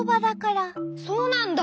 そうなんだ。